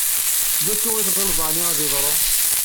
Acu i t-ɣiddeḍ aɛni ad yeḍṛu?